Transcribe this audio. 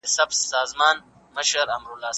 د صحابه وو درناوی وکړئ.